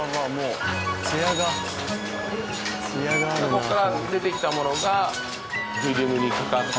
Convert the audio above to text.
ここから出てきたものがフィルムにかかって。